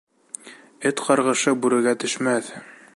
Эт ҡарғышы бүрегә төшмәҫ.